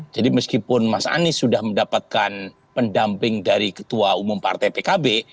jadi meskipun mas anies sudah mendapatkan pendamping dari ketua umum partai pkb